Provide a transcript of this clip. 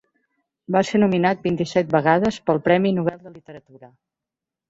Va ser nominat vint-i-set vegades pel Premi Nobel de Literatura.